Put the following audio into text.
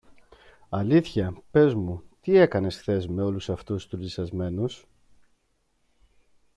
Αλήθεια, πες μου, τι έκανες χθες με όλους αυτούς τους λυσσασμένους;